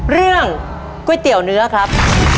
เรื่องกุยเตี๋ยวเนื้อครับ